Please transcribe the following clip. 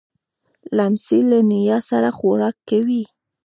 لمسی له نیا سره خوراک کوي.